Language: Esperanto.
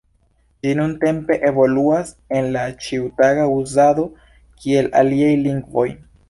Ĝi nuntempe evoluas en la ĉiutaga uzado kiel aliaj lingvoj.